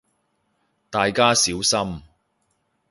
大家小心